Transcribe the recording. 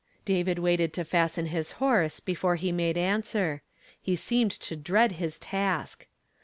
David waited to fasten his horse before he made answer. He seemed to dread his task.